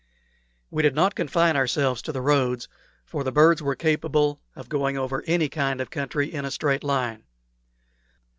We did not confine ourselves to the roads, for the birds were capable of going over any kind of country in a straight line.